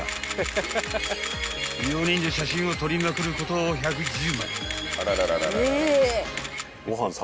［４人で写真を撮りまくること１１０枚］